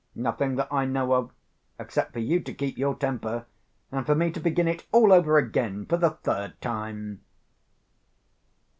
Nothing that I know of, except for you to keep your temper, and for me to begin it all over again for the third time.